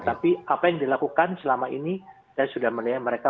tapi apa yang dilakukan selama ini saya sudah melihat mereka